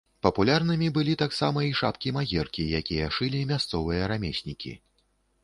Папулярнымі былі таксама і шапкі-магеркі, якія шылі мясцовыя рамеснікі.